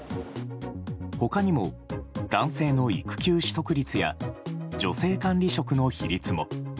他にも男性の育休取得率や女性管理職の比率も。